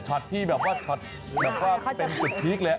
ช็อตพี่แบบว่าช็อตแบบว่าเป็นจุดพลิกเลย